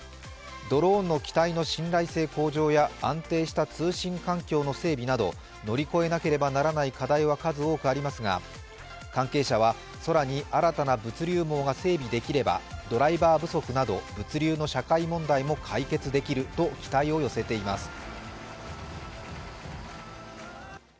ドローンの機体の信頼性向上や安定した通信環境の整備など乗り越えなければならない課題は多くありますが関係者は、空に新たな物流網が整備できれば、ドライバー不足など物流の社会問題も解決できると期待を寄せています。